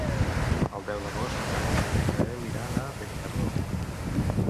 El deu d'agost na Carlota i en Gaël iran a Benicarló.